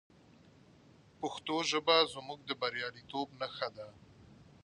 پښتو ژبه زموږ د بریالیتوب نښه ده.